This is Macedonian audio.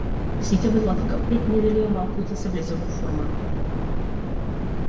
Сите велат дека пет недели е малку да се влезе во форма.